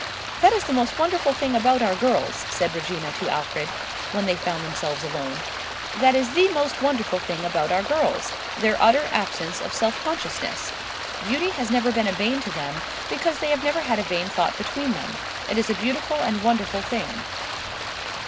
"That is the most wonderful thing about our girls," said Regina to Alfred, when they found themselves alone, "that is the most wonderful thing about our girls—their utter absence of self consciousness. Beauty has never been a bane to them, because they [Pg 113]have never had a vain thought between them. It is a beautiful and wonderful thing."